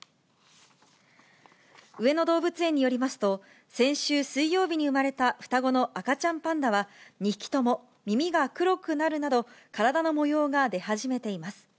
上野動物園によりますと、先週水曜日に産まれた双子の赤ちゃんパンダは、２匹とも耳が黒くなるなど、体の模様が出始めています。